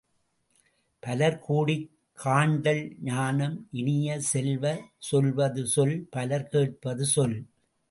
பலர் கூடிக் காண்டல் ஞானம் இனிய செல்வ, சொல்வது சொல் பலர் கேட்பது சொல்.